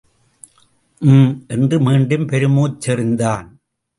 ஊம் என்று மீண்டும் பெருமூச்செறிந்தான்!